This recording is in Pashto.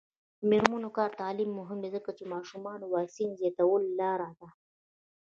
د میرمنو کار او تعلیم مهم دی ځکه چې ماشومانو واکسین زیاتولو لاره ده.